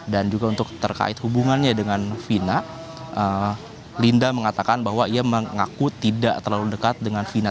dan juga untuk terkait hubungannya dengan fina linda mengatakan bahwa ia mengaku tidak terlalu dekat dengan fina